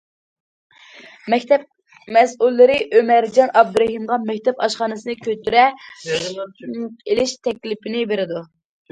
مەكتەپ مەسئۇللىرى ئۆمەرجان ئابدۇرېھىمغا مەكتەپ ئاشخانىسىنى كۆتۈرە ئېلىش تەكلىپىنى بېرىدۇ.